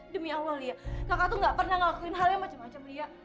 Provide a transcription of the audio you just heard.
demi allah lihat kakak tuh gak pernah ngelakuin hal yang macam macam lia